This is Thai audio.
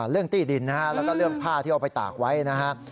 เรื่องที่ดินนะฮะแล้วก็เรื่องผ้าที่เอาไปตากไว้นะครับ